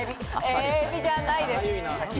エビではないです。